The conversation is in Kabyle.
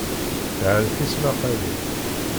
Tɛell tismaqalin.